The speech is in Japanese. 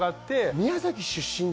宮崎出身で。